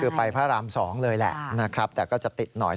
คือไปพระราม๒เลยแหละนะครับแต่ก็จะติดหน่อย